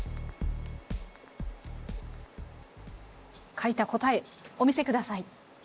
書いた答えお見せください。